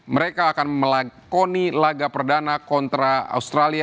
mereka akan melakoni laga perdana kontra australia